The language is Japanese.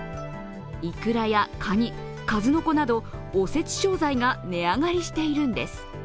いくらやかに、数の子などお節商材が値上がりしているんです。